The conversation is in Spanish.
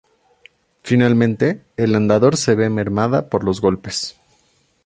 Finalmente, el andador se ve mermada por los golpes.